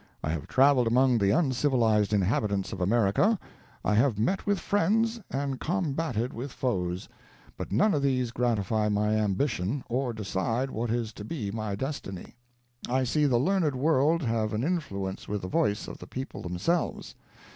I have traveled among the uncivilized inhabitants of America. I have met with friends, and combated with foes; but none of these gratify my ambition, or decide what is to be my destiny. I see the learned world have an influence with the voice of the people themselves.